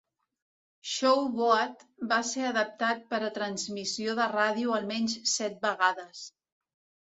"Show Boat" va ser adaptat per a transmissió de ràdio al menys set vegades,